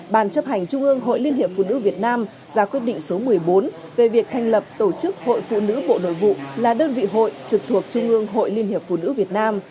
ban chấp hành trung ương hội liên hiệp phụ nữ việt nam ra quyết định số một mươi bốn về việc thành lập tổ chức hội phụ nữ bộ nội vụ là đơn vị hội trực thuộc trung ương hội liên hiệp phụ nữ việt nam